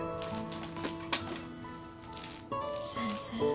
先生？